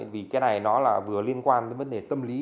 vì cái này nó là vừa liên quan đến vấn đề tâm lý